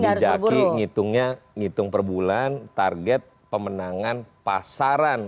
kalau di zaki ngitungnya ngitung perbulan target pemenangan pasaran